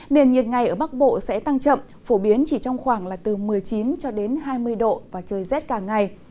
nền nhiệt ngày ở bắc bộ sẽ tăng chậm phổ biến chỉ trong khoảng từ một mươi chín hai mươi độ và trời rét cả ngày